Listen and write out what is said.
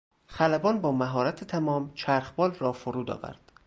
خلبان با مهارت تمام چرخبال را فرود آورد.